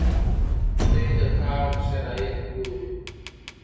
دوی د کار شرایط ګوري.